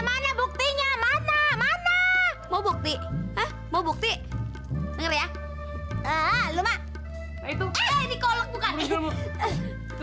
mana buktinya mana mana mau bukti bukti